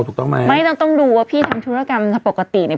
ถูกต้องไหมไม่ต้องต้องดูว่าพี่ทำธุรกรรมทางปกติเนี่ย